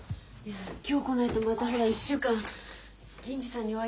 今日来ないとまたほら１週間銀次さんにお会いできないから。